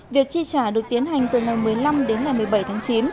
việc chi trả được tiến hành từ ngày một mươi năm đến ngày một mươi bảy tháng chín